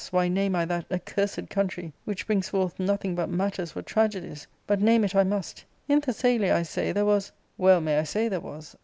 why name I that accursed country, which brings forth nothing but matters for tragedies ? but name it I must — in Thessalia, I say, there was — well may I say there was